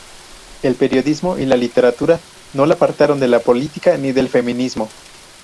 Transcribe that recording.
El periodismo y la literatura no la apartaron de la política ni del feminismo.